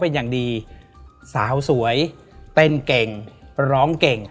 และยินดีต้อนรับทุกท่านเข้าสู่เดือนพฤษภาคมครับ